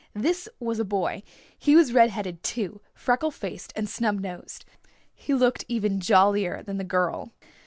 This was a boy. He was red headed, too, freckle faced and snub nosed. He looked even jollier than the girl.